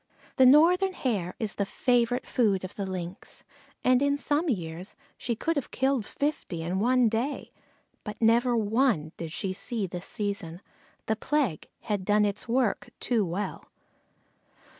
The Northern Hare is the favorite food of the Lynx, and in some years she could have killed fifty in one day, but never one did she see this season. The plague had done its work too well.